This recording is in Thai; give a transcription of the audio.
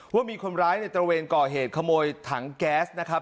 ว่ามีคนร้ายในตระเวนก่อเหตุขโมยถังแก๊สนะครับ